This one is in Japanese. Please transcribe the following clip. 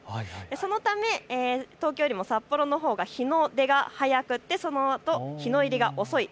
そのため東京よりも札幌のほうが日の出が早くて、そのあと日の入りが遅い。